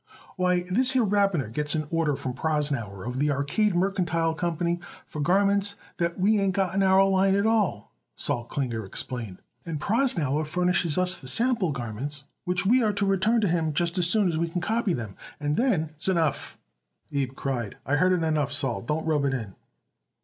"Why, this here Rabiner gets an order from Prosnauer, of the Arcade Mercantile Company, for garments what we ain't got in our line at all," Sol Klinger explained; "and Prosnauer furnishes us the sample garments, which we are to return to him just so soon as we can copy them, and then " "S'enough," Abe cried. "I heard enough, Sol. Don't rub it in."